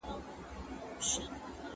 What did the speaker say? هغه سړی چي مړ ږدن ډنډ ته